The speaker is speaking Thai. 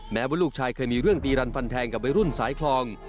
ว่าลูกชายเคยมีเรื่องตีรันฟันแทงกับวัยรุ่นสายคลอง